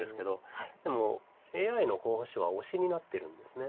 でもＡＩの候補手はオシになってるんです。